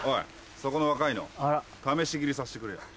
そこの若いの試し斬りさしてくれよ。